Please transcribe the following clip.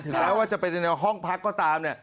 ถึงแล้วว่าจะเป็นในห้องพักก็ตาม